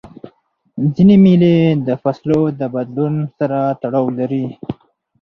ځیني مېلې د فصلو د بدلون سره تړاو لري.